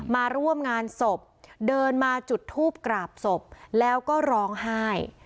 มาร่วมงานศพเดินมาจุดทูปกราบศพแล้วก็ร้องไห้